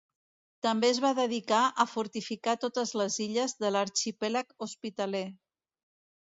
També es va dedicar a fortificar totes les illes de l'arxipèlag hospitaler.